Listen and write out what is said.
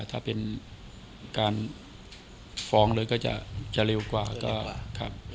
ถ้าเป็นการฟ้องเลยก็จะเร็วกว่าก็ครับ